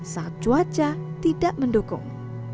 saat cuaca tidak mendukung